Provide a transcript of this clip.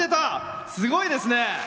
すごいですね。